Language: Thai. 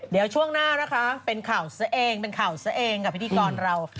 เดี๋ยวช่วงหน้านะคะเป็นข่าวเสียงกับพิธีกรเรา